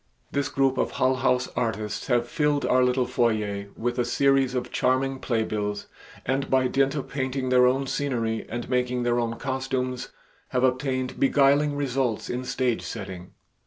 This group of Hull House artists have filled our little foyer with a series of charming playbills and by dint of painting their own scenery and making their own costumes have obtained beguiling results in stage setting.